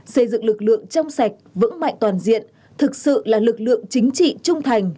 xây dựng lực lượng trong sạch vững mạnh toàn diện thực sự là lực lượng chính trị trung thành